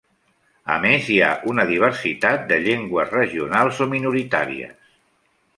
A més hi ha una diversitat de llengües regionals o minoritàries.